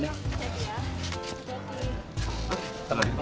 sampai jumpa ya